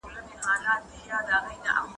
هم دا سپی بولم جدا له نورو سپیانو